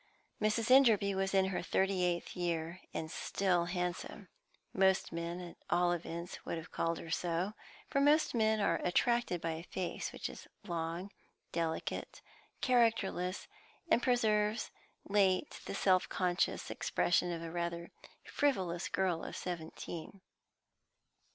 Mrs. Enderby was in her thirty eighth year, and still handsome. Most men, at all events, would have called her so, for most men are attracted by a face which is long, delicate, characterless, and preserves late the self conscious expression of a rather frivolous girl of seventeen.